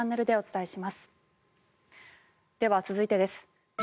では、続いてです。